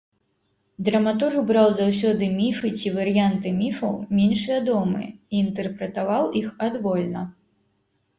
Драматург браў заўсёды міфы ці варыянты міфаў, менш вядомыя, і інтэрпрэтаваў іх адвольна.